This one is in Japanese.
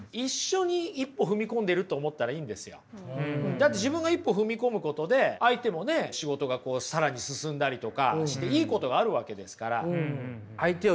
だって自分が一歩踏み込むことで相手もね仕事が更に進んだりとかしていいことがあるわけですから。